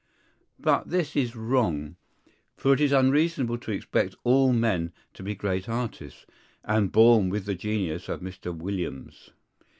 But this is wrong; for it is unreasonable to expect all men to be great artists, and born with the genius of Mr. Williams.